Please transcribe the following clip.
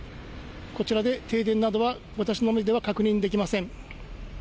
こちらで停電などは、私の目では確認できません。